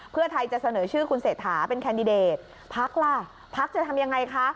เพื่อไทยจะเสนอชื่อคุณเศรษฐาเป็นแคนดิเดตพักล่ะพักจะทำยังไงคะ